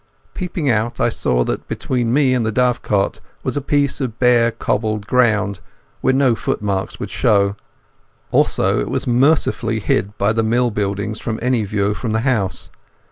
Peeping out, I saw that between me and the dovecot was a piece of bare cobbled ground, where no footmarks would show. Also it was mercifully hid by the mill buildings from any view from the house.